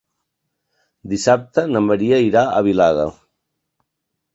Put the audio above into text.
Dissabte na Maria irà a Vilada.